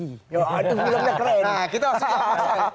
itu filmnya keren